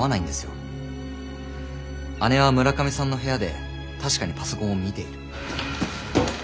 姉は村上さんの部屋で確かにパソコンを見ている。